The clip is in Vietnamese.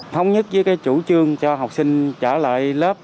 thống nhất với cái chủ trương cho học sinh trở lại lớp